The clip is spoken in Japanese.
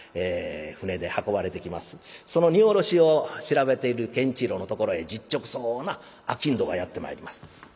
その荷降ろしを調べている健一郎のところへ実直そうな商人がやって参ります。